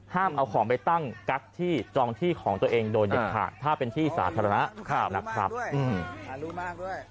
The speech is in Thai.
ห้ามเอาของไปตั้งกักที่จองที่ของตัวเองโดยเด็กขาถ้าเป็นที่สาธารณะ